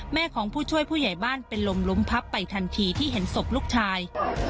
ของผู้ช่วยผู้ใหญ่บ้านเป็นลมล้มพับไปทันทีที่เห็นศพลูกชาย